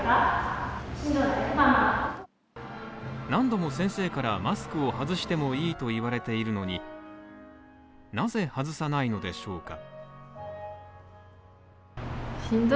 何度も先生からマスクを外してもいいと言われているのになぜ外さないのでしょうか。